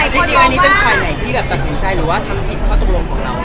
จริงอันนี้เป็นฝ่ายไหนที่แบบตัดสินใจหรือว่าทำผิดข้อตกลงของเรา